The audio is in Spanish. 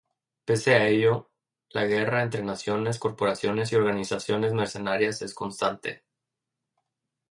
Pese a ello, la guerra entre naciones, corporaciones y organizaciones mercenarias es constante.